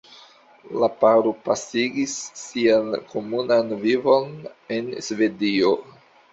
La paro pasigis sian komunan vivon en Svedio.